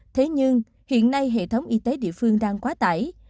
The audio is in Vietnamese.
thế nhưng hiện nay hệ thống y tế địa phương đang quá tải